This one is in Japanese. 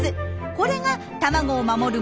これが卵を守る